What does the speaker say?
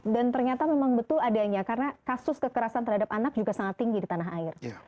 dan ternyata memang betul adanya karena kasus kekerasan terhadap anak juga sangat tinggi di tanah air